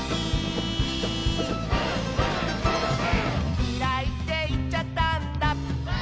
「きらいっていっちゃったんだ」